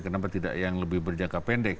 kenapa tidak yang lebih berjangka pendek